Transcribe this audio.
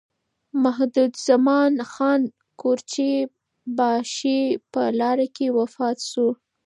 محمدزمان خان قورچي باشي په لاره کې وفات شو.